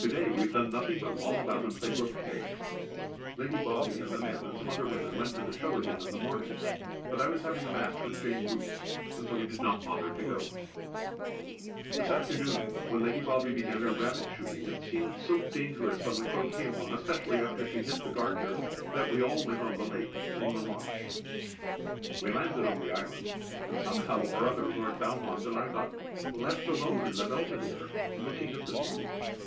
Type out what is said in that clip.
To day we have done nothing but loll about and play croquet. Lady Bobby and the men and some other women went to the Show again in the morning, but I was having a match with Jane Roose, and so we did not bother to go. [Sidenote: Paul and Virginia] This afternoon when Lady Bobby began her rabbit shooting it seemed so dangerous on the croquet lawn, especially after she hit the gardener, that we all went on the lake in the launch. We landed on the island, and somehow or other Lord Valmond and I got left alone in the Belvedere looking at the view.